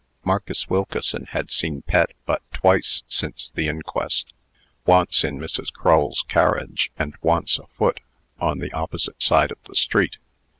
Marcus Wilkeson had seen Pet but twice since the inquest once in Mrs. Crull's carriage, and once afoot, on the opposite side of the street.